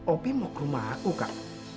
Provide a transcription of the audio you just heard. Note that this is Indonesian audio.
opi mau ke rumah aku kak